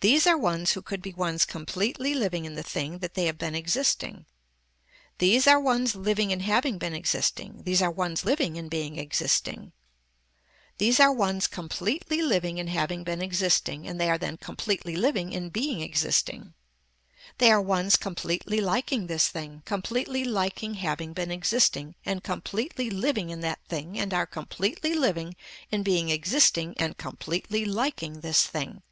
These are ones who could be ones completely living in the thing that they have been existing. These are ones living in having been existing, these are ones living in being existing. These are ones completely living in having been existing and they are then completely living in being existing. They are ones completely liking this thing completely liking having been existing and completely living in that thing and are completely living in being existing and completely liking this thing.